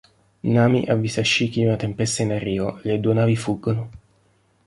Nami avvisa Shiki di una tempesta in arrivo, e le due navi fuggono.